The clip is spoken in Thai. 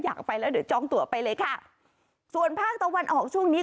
อยากไปแล้วเดี๋ยวจองตัวไปเลยค่ะส่วนภาคตะวันออกช่วงนี้